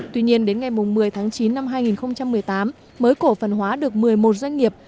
tuy nhiên đến ngày một mươi tháng chín năm hai nghìn một mươi tám mới cổ phần hóa được một mươi một doanh nghiệp